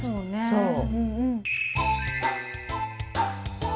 そう！